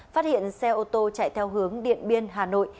phát hiện xe ô tô chạy theo hướng điện biên hà nội